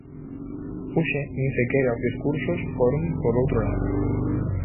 Hoxe nin sequera os discursos foron por outro lado.